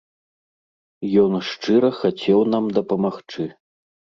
Ён шчыра хацеў нам дапамагчы.